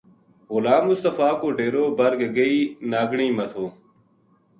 غلام مصطفیٰ کو ڈیرو بر گگئی ناگنی ما تھو